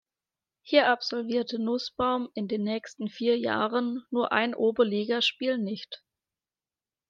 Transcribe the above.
Hier absolvierte Nußbaum in den nächsten vier Jahren nur ein Oberligaspiel nicht.